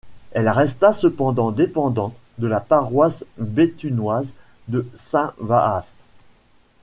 Elle resta cependant dépendante de la paroisse béthunoise de Saint-Vaast.